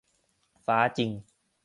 ฟ้าจริง